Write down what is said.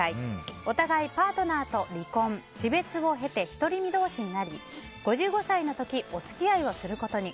お互いパートナーと離婚、死別を経て独り身同士になり５５歳の時にお付き合いをすることに。